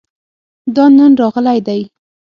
دا نن راغلی دی